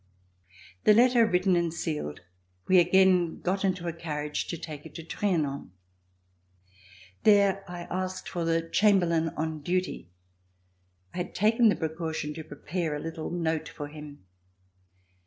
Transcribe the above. The letter written and sealed, we again got into a carriage to take it to Trianon. There I asked for the chamberlain on duty. I had taken the precaution to C371 ] RECOLLECTIONS OF THE REVOLUTION prepare a little note for him.